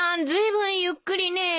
ずいぶんゆっくりね。